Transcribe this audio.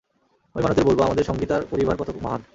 আমি মানুষদের বলবো, আমাদের সঙ্গীত আর পরিবার কত মহান।